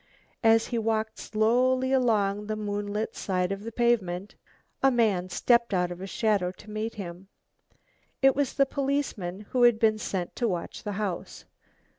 As he walked slowly along the moonlit side of the pavement, a man stepped out of the shadow to meet him. It was the policeman who had been sent to watch the house.